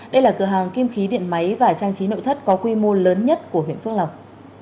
đây là cửa hàng kim khí điện máy và trang trí nội thất có quy mô lớn nhất của huyện phước lộc